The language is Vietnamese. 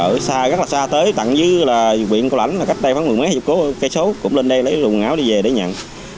ở xa rất là xa tới tặng dư là viện cao lãnh cách đây khoảng mười mấy dục cố cây số cũng lên đây lấy quần áo đi về để nhận